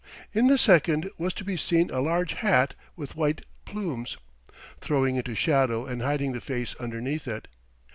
In the second was to be seen a large hat with white plumes, throwing into shadow and hiding the face underneath it.